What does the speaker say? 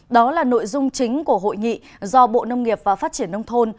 đó là nội dung chính của hội nghị do bộ nông nghiệp và phát triển nông thôn